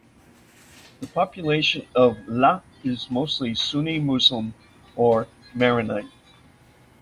The population of Ilat is mostly Sunni Muslim or Maronite.